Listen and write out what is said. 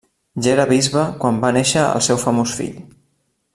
Ja era bisbe quan va néixer el seu famós fill.